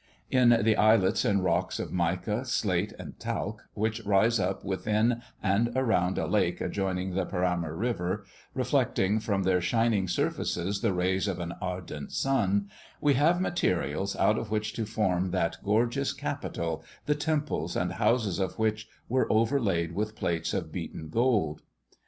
In the islets and rocks of mica, slate, and talc, which rise up within and around a lake adjoining the Parima river, reflecting from their shining surfaces the rays of an ardent sun, we have materials out of which to form that gorgeous capital, the temples and houses of which were overlaid with plates of beaten gold.